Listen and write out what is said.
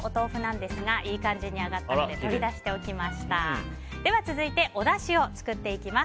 では続いておだしを作っていきます。